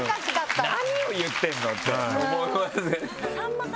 何を言ってるの？って思います。